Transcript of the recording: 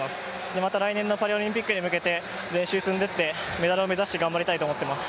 また来年のパリオリンピックに向けて、練習積んでってメダルを目指して頑張りたいと思っています。